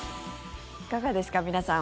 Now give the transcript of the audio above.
いかがですか、皆さん。